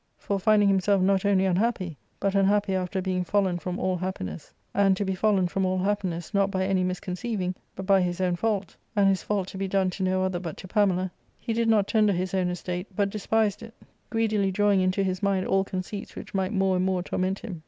For, finding himself not only un happy, but unhappy after being fallen from all happiness, and to be fallen from all happiness, not by any misconceiving, but by his own fault, and his fault to be done to no other but to Pamela, he did not tender his own estate, but despised it, greedily drawing into his mind all conceits which might more and more torment him.